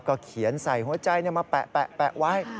เขียนใส่หัวใจมาแปะไว้